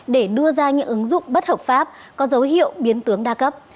để đưa ra những ứng dụng bất hợp pháp có dấu hiệu biến tướng đa cấp